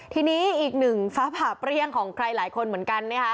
ทีนี้อีกหนึ่งฟ้าผ่าเปรี้ยงของใครหลายคนเหมือนกันนะคะ